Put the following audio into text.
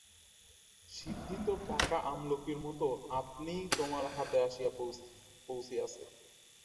সিদ্ধি তো পাকা আমলকীর মতো আপনি তোমার হাতে আসিয়া পৌঁছিয়াছে।